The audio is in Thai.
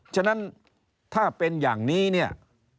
ฉะนั้นถ้าเป็นอย่างนี้เนี่ย